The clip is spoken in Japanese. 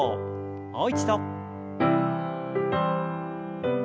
もう一度。